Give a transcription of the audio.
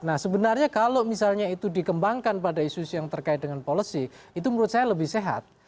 nah sebenarnya kalau misalnya itu dikembangkan pada isu isu yang terkait dengan policy itu menurut saya lebih sehat